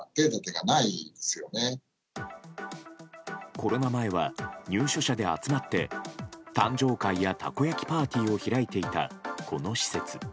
コロナ前は入所者で集まって誕生会や、たこ焼きパーティーを開いていた、この施設。